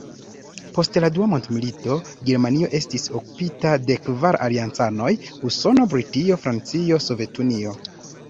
Post la dua mondmilito, Germanio estis okupita de kvar aliancanoj: Usono, Britio, Francio, Sovetunio.